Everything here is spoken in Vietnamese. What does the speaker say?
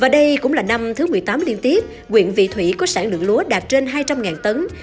và đây cũng là năm thứ một mươi tám liên tiếp quyện vị thủy có sản lượng lúa đạt trên hai trăm linh tấn